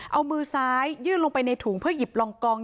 เอามือซ้ายยื่นลงไปในถุงเพื่อหยิบลองกอง